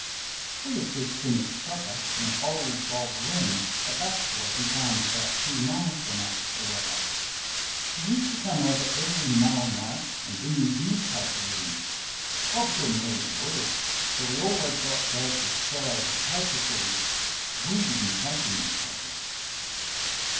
We had just finished supper when old Bob Wren, a bachelor who farmed about two miles from us, arrived. He used to come over every mail night and bring his newspaper with him. Bob could n't read a word, so he always got Dad to spell over the paper to him. WE did n't take a newspaper.